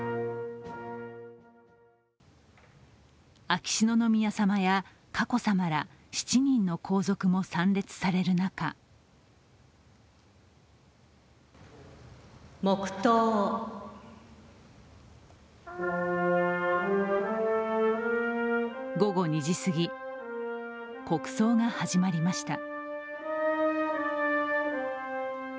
秋篠宮さまや佳子さまら７人の皇族も参列される中午後２時すぎ、国葬が始まりました。